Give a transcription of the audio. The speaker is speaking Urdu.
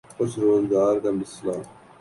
کچھ روزگار کا مسئلہ۔